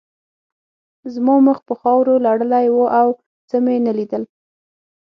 زما مخ په خاورو لړلی و او څه مې نه لیدل